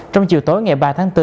trong chiều tối ngày ba tháng bốn